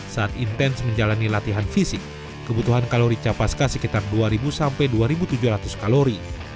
saat intens menjalani latihan fisik kebutuhan kalori capaska sekitar dua sampai dua tujuh ratus kalori